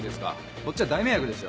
こっちは大迷惑ですよ。